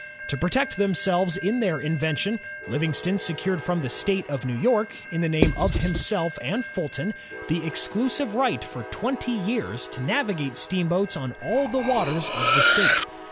To protect themselves in their invention, Livingston secured from the State of New York, in the name of himself and Fulton, the exclusive right for twenty years to navigate steamboats on all the waters of the state.